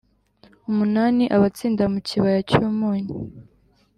umunani abatsinda mu Kibaya cy Umunyu